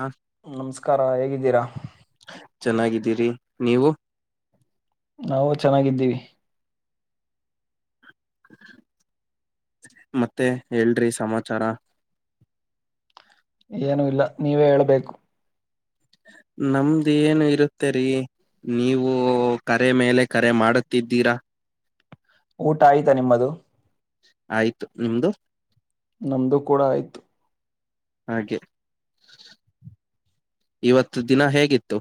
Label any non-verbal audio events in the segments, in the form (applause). ಹಾ ನಮಸ್ಕಾರ ಹೇಗಿದ್ದೀರಾ ಚೆನ್ನಾಗಿದ್ದೀರಿ ನೀವು ನಾವು ಚೆನ್ನಾಗಿದ್ದೀವಿ ಮತ್ತೆ ಹೇಳ್ರಿ ಸಮಾಚಾರ ಏನು ಇಲ್ಲ ನೀವೇ ಹೇಳ್ಬೇಕು ನಮ್ದ ಏನು ಇರುತ್ತೆರಿೀ ನೀವು ಕರೆ ಮೇಲೆ ಕರೆ ಮಾಡುತ್ತಿದ್ದೀರಾ ಊಟ ಆಯ್ತಾ ನಿಮ್ಮದು ಆಯ್ತು ನಿಮ್ದು ನಮ್ದು ಕೂಡ ಆಯ್ತು ಹಾಗೆ ಇವತ್ತು ದಿನ ಹೇಗಿತ್ತು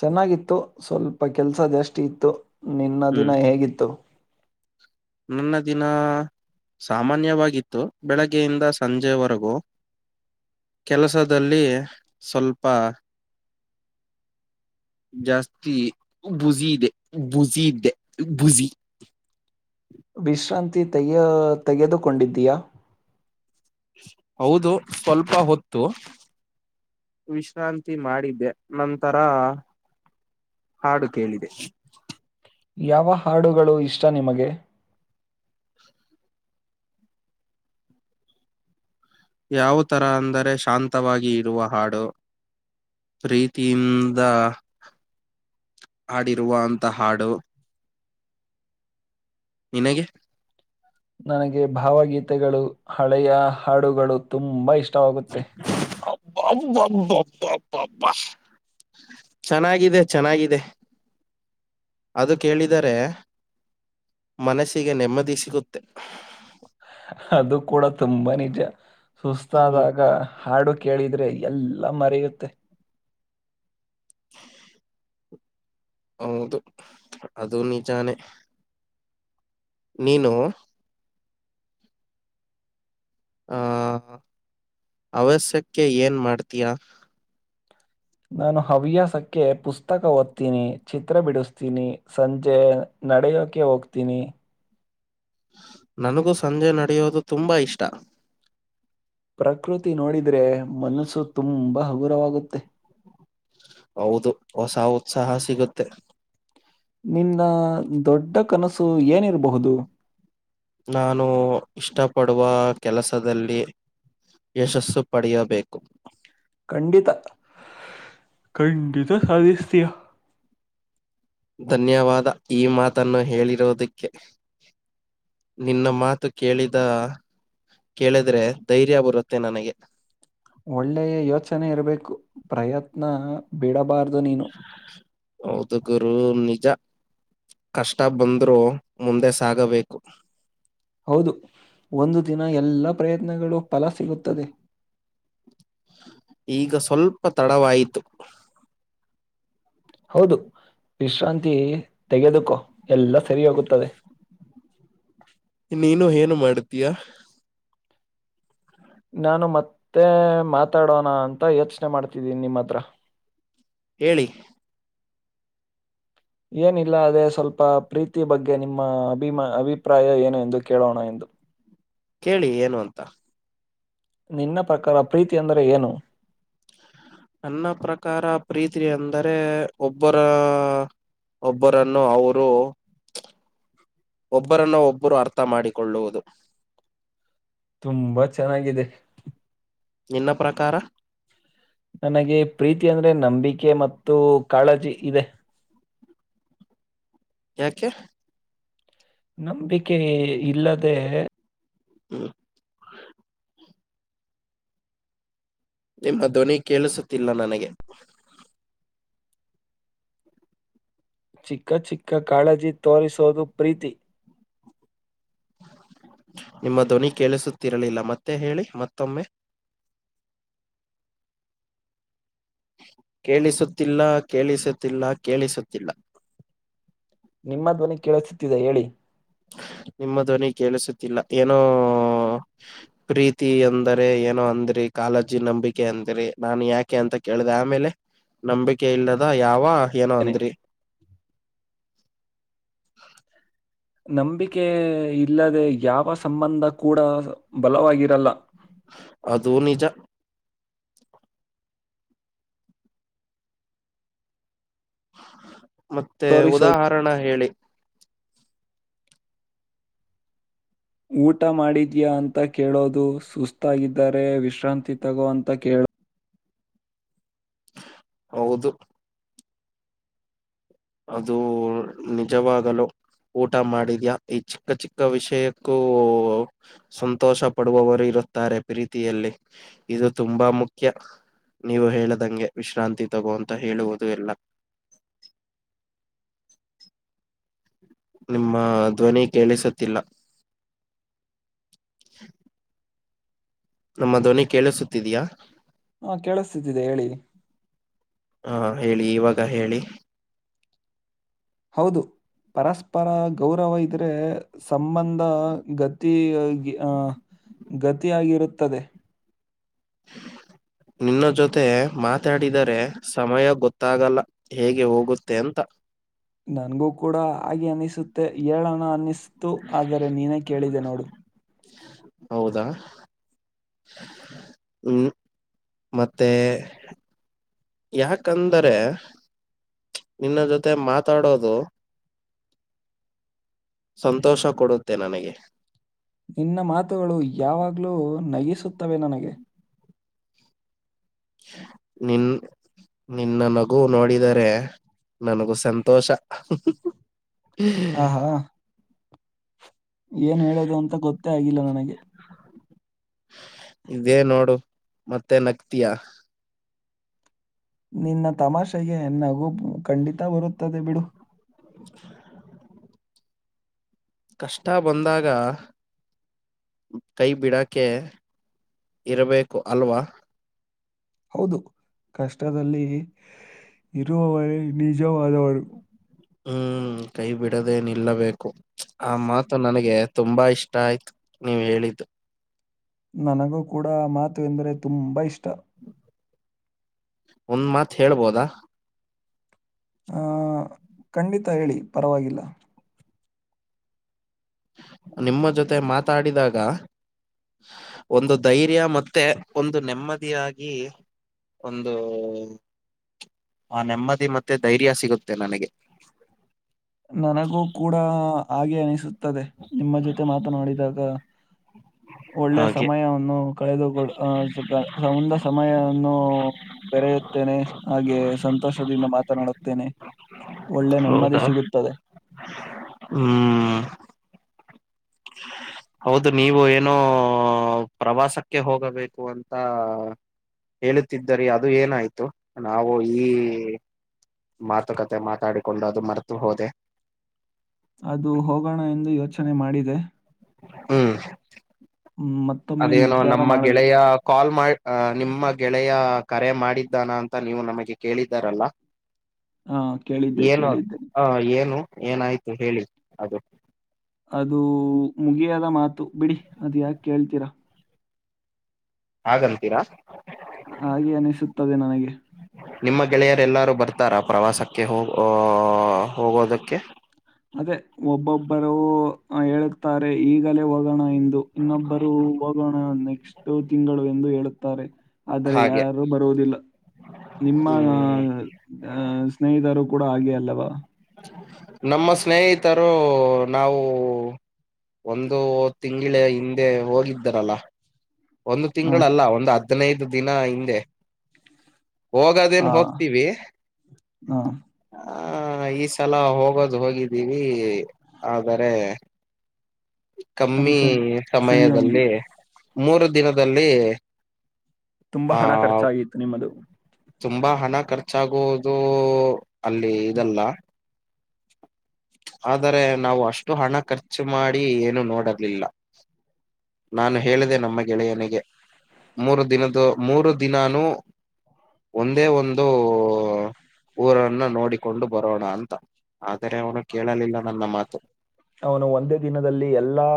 ಚೆನ್ನಾಗಿತ್ತು ಸ್ವಲ್ಪ ಕೆಲ್ಸ ಜಷ್ಟಿ ಇತ್ತು ನಿನ್ನ ಹ್ಮ್ ದಿನ ಹೇಗಿತ್ತು ನನ್ನ ದಿನ ಸಾಮಾನ್ಯವಾಗಿತ್ತು ಬೆಳಗ್ಗೆಯಿಂದ ಸಂಜೆವರೆಗೂ ಕೆಲಸದಲ್ಲಿ ಸ್ವಲ್ಪ ಜಾಸ್ತಿ ಬುಜೆ ಬುಜ್ದೆ ಬುಜಿ ವಿಶ್ರಾಂತಿ ತಯ ತೆಗೆದುಕೊಂಡಿದ್ದೀಯಾ ಹೌದು ಸ್ವಲ್ಪ ಹೊತ್ತು ವಿಶ್ರಾಂತಿ ಮಾಡಿದ್ದೆ ನಂತರ ಹಾಡು ಕೇಳಿದೆ ಯಾವ ಹಾಡುಗಳು ಇಷ್ಟ ನಿಮಗೆ ಯಾವ ತರ ಅಂದರೆ ಶಾಂತವಾಗಿ ಇರುವ ಹಾಡು ಪ್ರೀತಿಯಿಂದ ಹಾಡಿರುವ ಅಂಥ ಹಾಡು ನಿನಗೆ ನನಗೆ ಭಾವಗೀತೆಗಳು ಹಳೆಯ ಹಾಡುಗಳು ತುಂಬಾ ಇಷ್ಟ ಇಷ್ಟವಾಗುತ್ತೆ ಬಬ್ ಬಬ್ ಬ ಬಾ ಬಾ ಬಾ ಚೆನ್ನಾಗಿದೆ ಚೆನ್ನಾಗಿದೆ ಅದು ಕೇಳಿದರೆ ಮನಸ್ಸಿಗೆ ನೆಮ್ಮದಿ ಸಿಗುತ್ತೆ ಅದು ಕೂಡ ತುಂಬಾ ನಿಜ ಹ್ಮ್ ಸುಸ್ತಾದಾಗ ಹಾಡು ಕೇಳಿದ ಆದ್ರೆ ಎಲ್ಲಾ ಮರೆಯುತ್ತೆ ಹೌದು ಅದು ನಿಜಾನೆ ನೀನು ಆ ಅವಶ್ಯಕ್ಕೆ ಏನ್ ಮಾಡ್ತಯಾ ನಾನು ಹವ್ಯಾಸಕ್ಕೆ ಪುಸ್ತಕ ಓದ್ತೀನಿ ಚಿತ್ರ ಬಿಡಿಸ್ತೀನಿ ಸಂಜೆ ನಡೆಯೋಕೆ ಹೋಗ್ತೀನಿ ನನಗೂ ಸಂಜೆ ನಡೆಯೋದು ತುಂಬಾ ಇಷ್ಟ ಪ್ರಕೃತಿ ನೋಡಿದ್ರೆ ಮನಸ್ಸು ತುಂಬ ಹಗುರವಾಗುತ್ತೆ ಹೌದು ಹೊಸ ಉತ್ಸಾಹ ಸಿಗುತ್ತೆ ನಿನ್ನ ದೊಡ್ಡ ಕನಸು ಏನಿರ್ಬಹುದು ನಾನು ಇಷ್ಟಪಡುವ ಕೆಲಸದಲ್ಲಿ ಯಶಸ್ಸು ಪಡೆಯಬೇಕು ಖಂಡಿತ ಖಂಡಿತ ಸಾಧಿಸ್ತಯಾ ಧನ್ಯವಾದ ಈ ಮಾತನ್ನು ಹೇಳಿರೋದಕ್ಕೆ ನಿನ್ನ ಮಾತು ಕೇಳಿದ ಕೇಳಿದ್ರೆ ಧೈರ್ಯ ಬರುತ್ತೆ ನನಗೆ ಒಳ್ಳೆಯ ಯೋಚನೆ ಇರಬೇಕು ಪ್ರಯತ್ನ ಬಿಡಬಾರ್ದು ನೀನು ಹೌದು ಗುರು ನಿಜ ಕಷ್ಟ ಬಂದ್ರೂ ಮುಂದೆ ಸಾಗಬೇಕು ಹೌದು ಒಂದು ದಿನ ಎಲ್ಲ ಪ್ರಯತ್ನಗಳು ಫಲ ಸಿಗುತ್ತದೆ ಈಗ ಸ್ವಲ್ಪ ತಡವಾಯಿತು ಹೌದು ವಿಶ್ರಾಂತಿ ತೆಗೆದುಕೋ ಎಲ್ಲ ಸರಿ ಹೋಗುತ್ತದೆ ನೀನು ಏನು ಮಾಡ್ತೀಯಾ ನಾನು ಮತ್ತೆ ಮಾತಾಡೋಣ ಅಂತ ಯೋಚನೆ ಮಾಡ್ತಿದ್ದೀನಿ ನಿಮ್ಮತ್ರ ಹೇಳಿ ಏನಿಲ್ಲ ಅದೇ ಸ್ವಲ್ಪ ಪ್ರೀತಿ ಬಗ್ಗೆ ನಿಮ್ಮ ಅಭಿಮ ಅಭಿಪ್ರಾಯ ಏನು ಎಂದು ಕೇಳೋಣ ಎಂದು ಕೇಳಿ ಏನು ಅಂತ ನಿನ್ನ ಪ್ರಕಾರ ಪ್ರೀತ ಅಂದರೆ ಏನು ನನ್ನ ಪ್ರಕಾರ ಪ್ರೀತಿ ಅಂದರೆ ಒಬ್ಬರ ಒಬ್ಬರನ್ನು ಅವರು ಒಬ್ಬರನ್ನು ಒಬ್ಬರು ಅರ್ಥ ಮಾಡಾಡಿಕೊಳ್ಳುವುದು ತುಂಬಾ ಚೆನ್ನಾಗಿದೆ ನಿನ್ನ ಪ್ರಕಾರ ನನಗೆ ಪ್ರೀತಿ ಅಂದ್ರೆ ನಂಬಿಕೆ ಮತ್ತು ಕಾಳಜಿ ಇದೆ (unintelligible) ಯಾಕೆ ನಂಬಿಕೆ ಇಲ್ಲದೆ ಹ್ಮ ನಿಮ್ಮ ಧ್ವನಿ ಕೇಳಿಸುತ್ತಿಲ್ಲ ನನಗೆ ಚಿಕ್ಕ ಚಿಕ್ಕ ಕಾಳಜಿ ತೋರಿಸುವದು ಪ್ರೀತಿ ನಿಮ್ಮ ಧ್ವನಿ ಕೇಳಿಸುತ್ತಿರಲಿಲ್ಲ ಮತ್ತೆ ಹೇಳಿ ಮತ್ತೊಮ್ಮೆ ಹ ಕೇಳಿಸುತ್ತಿಲ್ಲ ಕೇಳಿಸುತ್ತಿಲ್ಲ ಕೇಳಿಸುತ್ತಿಲ್ಲ ನಿಮ್ಮ ಧ್ವನಿ ಕೇಳ್ುತ್ತಿದೆ ಹೇಳಿ ನಿಮ್ಮ ಧ್ವನಿ ಕೇಳಿಸುತ್ತಿಲ್ಲ ಏನೋ ಪ್ರೀತಿ ಅಂದರೆ ಏನೋ ಅಂದ್ರಿ ಕಾಳಜಿ ನಂಬಿಕೆ ಅಂದ್ರಿ ನಾನು ಯಾಕೆ ಅಂತ ಕೇಳಿದೆ ಆಮೇಲೆ ನಂಬಿಕೆ ಇಲ್ಲದ ಯಾವ ಏನೋ ಅಂದ್ರಿ ನಂಬಿಕೆ ಇಲ್ಲದೆ ಯಾವ ಸಂಬಂಧ ಕೂಡ ಬಲವಾಗಿರಲ್ಲ ಅದು ನಿಜ ಮತ್ತೆ ತೋರಿಸೋದು ಉದಾಹರಣ ಹೇಳಿ ಊಟ ಮಾಡಿದ್ಯಾ ಅಂತ ಕೇಳೋದು ಸುಸ್ತಾಗಿದ್ದರೆ ವಿಶ್ರಾಂತಿ ತಗೋ ಅಂತ ಕೇಳ ಹೌದು ಅದು ನಿಜವಾಗಲು ಊಟ ಮಾಡಿದ್ಯಾ ಈ ಚಿಕ್ಕ ಚಿಕ್ಕ ವಿಷಯಕ್ಕೂ ಸಂತೋಷ ಪಡುವವರು ಇರ ಪ್ರೀತಿಯಲ್ಲಿ ಇದು ತುಂಬಾ ಮುಖ್ಯ ನೀವು ಹೇಳದಂಗೆ ವಿಶ್ರಾಂತಿ ತಗೋ ಅಂತ ಹೇಳುವುದು ಎಲ್ಲ ಹ (unintelligible) ನಿಮ್ಮ ಧ್ವನಿ ಕೇಳಿಸುತ್ತಿಲ್ಲ (unintelligible) ನಮ್ಮ ಧ್ವನಿ ಕೇಳಿಸುತ್ತಿದ್ಯಾಾ ಹಾ ಕೇಳಿಸ್ತಿದ್ದಿದೆ ಹೇಳಿ ಹಾ ಹೇಳಿ ಇವಾಗ ಹೇಳಿ ಹೌದು ಪರಸ್ಪರ ಗೌರವ ಇದ್ರೆ ಸಂಬಂಧ ಗತಿ ಅಹ ಗತಿಯಾಗಿರುತ್ತದೆ (unintelligible) ನಿನ್ನ ಜೊತೆ ಮಾತಾಡಿದರೆ ಸಮಯ ಗೊತ್ತಾಗಲ್ಲ ಹೇಗೆ ಹೋಗುತ್ತೆ ಅಂತ (inaudible) (unintelligible) ನನ್ಗೂ ಕೂಡ ಹಾಗೆ ಅನ್ನಿಸುತ್ತೆ ಏಳಣ ಅನ್ನಿಸ್ತು ಆದರೆ ನೀನೇ ಕೇಳಿದೆ ನೋಡು ಹೌದಾ ಹ್ಮ್ ಮತ್ತೆ ಯಾಕಂದರೆ ನಿನ್ನ ಜೊತೆ ಮಾತಾಡೋದು ಸಂತೋಷ ಕೊಡುತ್ತೆ ನನಗೆ ನಿನ್ನ ಮಾತುಗಳು ಯಾವಾಗ್ಲೂ ನಗಿಸುತ್ತವೆ ನನಗೆ ನಿನ್ ನಿನ್ನ ನಗು ನೋಡಿದರೆ ನನಗೂ ಸಂತೋಷ ಹಾ ಹಾ ಏನ್ ಹೇಳೋದು ಅಂತ ಗೊತ್ತೇ ಆಗಿಲ್ಲ ನನಗೆ ಇದೇ ನೋಡು ಮತ್ತೆ ನಗ್ತಯಾ ನಿನ್ನ ತಮಾಷೆಗೆ ನಗು ಂಡಿತ ತ್ತ ಬರುತ್ತದೆ ಬಿಡು ಕಷ್ಟ ಬಂದಾಗ ಕೈ ಬಿಡಕೆ ಇರಬೇಕು ಅಲ್ವಾ ಹೌದು ಕಷ್ಟದಲ್ಲಿ ಇರುವವರೆೇ ನಿಜವಾದವರು ಹ್ಮ್ ಕೈ ಬಿಡದೇ ನಿಲ್ಲಬೇಕು ಆ ಮಾತು ನನಗೆ ತುಂಬಾ ಇಷ್ಟ ಆಯ್ತು ನೀವ್ ಹೇಳಿದ್ದು ನನಗೂ ಕೂಡ ಆ ಮಾತು ಎಂದರೆ ತುಂಬಾ ಇಷ್ಟ ಒಂದ್ ಮಾತ್ ಹೇಳ್ಬೋದಾ ಹ ಖಂಡಿತ ಹೇಳಿ ಪರವಾಗಿಲ್ಲ ನಿಮ್ಮ ಜೊತೆ ಮಾತಾಡಿದಾಗ ಒಂದು ಧೈರ್ಯ ಮತ್ತೆ ಒಂದು ನೆಮ್ಮದಿಯಾಗಿ ಒಂದು ಆ ನೆಮ್ಮದಿ ಮತ್ತೆ ಧೈರ್ಯ ಸಿಗುತ್ತೆ ನನಗೆ ನನಗೂ ಕೂಡ ಹಾಗೆ ಅನಿಸುತ್ತದೆ. ನಿಮ್ಮ ಜೊತೆ ಮಾತನಾಡಿದಾಗ ಒಳ್ಳೆ ಹಾಗೆ ಸಮಯವನ್ನು ಕಳೆದು ಕೂಡ (inaudible) ಮುಂದ ಸಮಯವನ್ನು ಬೆರೆಯುತ್ತೇನೆ ಹಾಗೆ ಸಂತೋಷದಿಂದ ಮಾತನಾಡುತ್ತೇನೆ. ಒಳ್ಳೆ ನೆಮ್ಮದಿ ಹೌದಾ ಸಿಗುತ್ತ ಹ್ಮ್ ಹೌದು ನೀವು ಏನೋ ಪ್ರವಾಸಕ್ಕೆ ಹೋಗಬೇಕು ಅಂತ ಹೇಳುತ್ತಿದ್ದರಿ, ಅದು ಏನಾಯ್ತು? ನಾವು ಈ ಮಾತುಕತೆ ಮಾತಾಡಿಕೊಂಡು ಅದು ಮರೆತು ಹೋದೆ. ಅದು ಹೋಗೋಣ ಎಂದು ಯೋಚನೆ ಮಾಡಿದೆ. ಹ್ಮ್ ಮ್, ಮತ್ತೊಮ್ಮೆ ಅದೇನೋ ನಿರ್ಧಾರ ನಮ್ಮ ಮಾಡಬೇಕು. ಗೆಳೆಯ ಕಾಲ್ ಮಾಡ ನಿಮ್ಮ ಗೆಳೆಯ ಕರೆ ಮಾಡಿದ್ದಾನ ಅಂತ ನೀವು ನಮಗೆ ಕೇಳಿದ್ದಾರಲ್ಲ? ಹಾ, ಕೇಳಿದ್ದೆ ಏನು ಕೇಳಿದ್ದೆ. ಹ ಏನು ಏನಾಯ್ತು ಹೇಳಿ ಅದು? ಅದು ಮುಗಿಯದ ಮಾತು ಬಿಡಿ. ಅದು ಯಾಕ ಕೇಳ್ತೀರಾ, ಹಾಗಂತೀರಾ? ಹಾಗೆ ಅನಿಸುತ್ತದೆ ನನಗೆ ನಿಮ್ಮ ಗೆಳೆಯರೆ ಎಲ್ಲಾರು ಬರ್ತಾರಾ? ಪ್ರವಾಸಕ್ಕೆ ಹೋಗ ಹೋಗೋದಕ್ಕೆ. ಅದೇ ಒಬ್ಬೊಬ್ಬರು ಹೇಳೇುತ್ತಾರೆ, ಈಗಲೇ ಹೋಗೋಣ ಎಂದು ಇನ್ನೊಬ್ಬರು ಹೋಗೋಣ, ನೆಕ್ಸ್ಟ ತಿಂಗಳು ಎಂದು ಹೇಳುತ್ತಾರೆ. ಆದರೆ ಹಾಗೆ ಯಾರು ಬರುವುದಿಲ್ಲ. ನಿಮ್ಮ ಅ ಹ್ಮ್ ಅ ಸ್ನೇಹಿತರು? ಕೂಡ ಹಾಗೆ ಅಲ್ಲವಾ? ನಮ್ಮ ಸ್ನೇಹಿತರು ನಾವು ಒಂದು ತಿಂಳ ಹಿಂದೆ ಹೋಗಿದ್ದರಲ್ಲ. ಒಂದು ಆ, ತಿಂಗಳಲ್ಲ, ಒಂದು ಹದ್ನೈದು ದಿನ ಹಿಂದೆ ಹೋಗದೇನ್ ಆ, ಹೋಗ್ತೀವಿ, ಆ, ಆ ಈ ಸಲ ಹೋಗೋದು ಹೋಗಿದ್ದೀವಿ ಆದರೆ ಅದು ಕಮ್ಮಿ ಸರಿ ಸರಿ ಹೋಗಿಲ್ಲ ಸಮಯದಲ್ಲಿ ಮೂರು ದಿನದಲ್ಲಿ ತುಂಬಾ ಆ ಹಣ ಖರ್ಚಾಗಿತ್ತು ನಿಮ್ಮದು. ತುಂಬಾ ಹಣ ಖರ್ಚಾಗುವುದು ಅಲ್ಲಿ ಇದಲ್ಲ. ಆದರೆ, ನಾವು ಅಷ್ಟು ಹಣ ಖರ್ಚು ಮಾಡಿ ಏನು ನೋಡರ್ಲಿಲ್ಲ. ನಾನು ಹೇಳಿದೆ ನಮ್ಮ ಗೆಳೆಯನಿಗೆ, ಮೂರು ದಿನದು ಮೂರು ದಿನಾನೂ ಒಂದೇ ಒಂದು ಊರನ್ನ ನೋಡಿಕೊಂಡು ಬರೋಣ ಅಂತ, ಆದರೆ ಅವನು ಕೇಳಲಿಲ್ಲ ನನ್ನ ಮಾತು. ಅವನು ಒಂದೇ ದಿನದಲ್ಲಿ ಎಲ್ಲಾ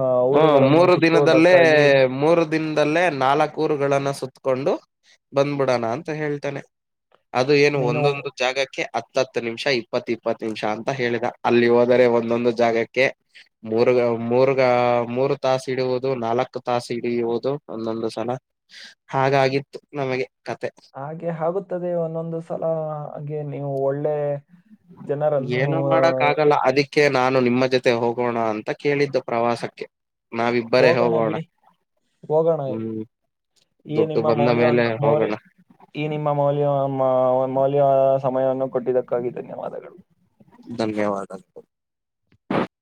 ಆ ಹ್ಮ ಊರುಗಳನ್ನು ಮೂರು ದಿನದಲ್ಲೇ ಸುತ್ತುವುದಕ್ಕಾಗಿ ಮೂರು ದಿನದಲ್ಲೇ ನಾಲ್ಕ ಊರುಗಳನ್ನ ಸತ್ಕೊಂಡು ಬಂದ್ಬಿಡೋಣ ಅಂತ ಹೇಳ್ತೇನೆ‌. ಅದು ಏನು ನೀನು ಒಂದೊಂದು ಜಾಗಕ್ಕೆ ಹತ್ತತ್ತು ನಿಮಿಷ ಇಪ್ಪತ್ತು ಇಪ್ಪತ್ತು ನಿಮಿಷ ಅಂತ ಹೇಳಿದ ಅಲ್ಲಿ ಹೋದರೆ ಒಂದೊಂದು ಜಾಗಕ್ಕೆ ಮೂರ ಮೂರ್ಗ ಮೂರು ತಾಸ ಇಡುವುದು ನಾಲ್ಕು ತಾಸು ಹಿಡಿಯುವುದು ಒಂದೊಂದು ಸಲ ಹಾಗಾಗಿತ್ತು ನಮಗೆ ಕತೆ ಹಾಗೆ ಆಗುತ್ತದೆ ಒಂದೊಂದು ಸಲ ಹಾಗೆ ನೀವು ಒಳ್ಳೆ ಜನರನ್ನು ಏನು ಆ, ಮಾಡಕ್ ಆಗಲ್ಲ ಅದಕ್ಕೆ ಅದಕ್ಕೆ ನಾನು ನಿಮ್ಮ ಜೊತೆ ಹೋಗೋಣ ಅಂತ ಕೇಳಿದ್ದು ಪ್ರವಾಸಕ್ಕೆ. ನಾವಿಬ್ಬರೇ ಹೋಗೋಣ. ಹೋಗೋಣ ಹ್ಮ್ ಈ ದುಡ್ಡು ನಿಮ್ಮ ಬಂದ ಮೌಲ್ಯ ಮೇಲೆ ಮೌಲ್ ಹೋಗೋಣ ಈ ನಿಮ್ಮ ಮೌಲ್ಯ ಮೌಲ್ಯ ಸಮಯವನ್ನು ಕೊಟ್ಟಿದ್ದಕ್ಕಾಗಿ ಧನ್ಯವಾದಗಳು. ಧನ್ಯವಾದಗಳು